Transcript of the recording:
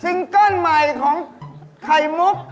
ซึงก้านไหมตรงไข่มุก